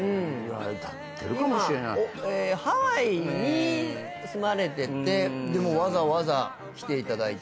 今ハワイに住まれててでもわざわざ来ていただいて。